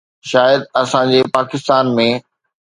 شايد اسان جي پاڪستان ۾